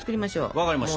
分かりました。